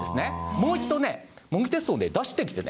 もう一度ね模擬テストを出してきてね